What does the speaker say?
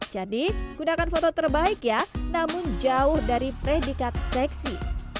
jadi gunakan foto terbaik ya namun jauh dari predikat seksi